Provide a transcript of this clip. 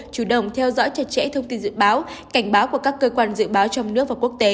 chủ động theo dõi chặt chẽ thông tin dự báo cảnh báo của các cơ quan dự báo trong nước và quốc tế